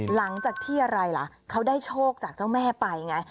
หลังจากที่อะไรล่ะเขาได้โชคจากเจ้าแม่ไปไง